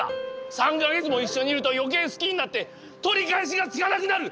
３か月も一緒にいるとよけい好きになって取り返しがつかなくなる！